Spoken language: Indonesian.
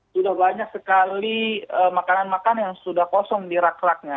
sudah banyak sekali makanan makanan yang sudah kosong di rak raknya